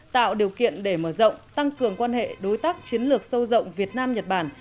tạo điều kiện để mở rộng tăng cường quan hệ đối tác chiến lược sâu rộng việt nam nhật bản